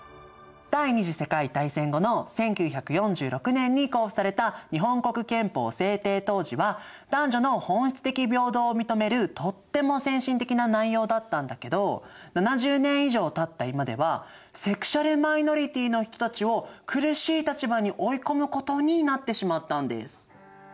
第２次世界大戦後の１９４６年に公布された日本国憲法制定当時は男女の本質的平等を認めるとっても先進的な内容だったんだけど７０年以上たった今ではセクシュアル・マイノリティーの人たちを苦しい立場に追い込むことになってしまったんです。